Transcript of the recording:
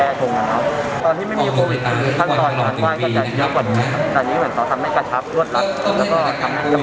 เลยทำให้รวดเร็วกว่าเดิม